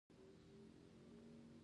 د زیبرا پوستکی د هغه په لاس باندې پروت و